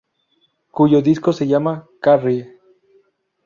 Cuyo disco se llama "Carrie".